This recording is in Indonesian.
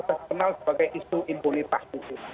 kita kenal sebagai isu impunitas itu